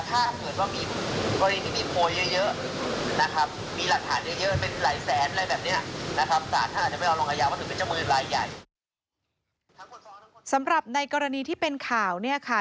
ถ้าเหมือนว่ามีกรณีที่มีโผย์เยอะนะครับ